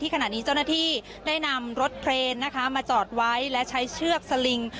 ขณะนี้เจ้าหน้าที่ได้นำรถเครนนะคะมาจอดไว้และใช้เชือกสลิง